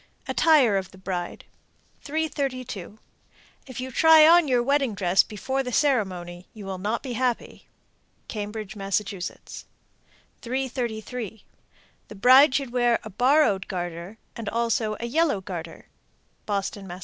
_ ATTIRE OF THE BRIDE. 332. If you try on your wedding dress before the ceremony, you will not be happy. Cambridge, Mass. 333. The bride should wear a borrowed garter, and also a yellow garter. _Boston, Mass.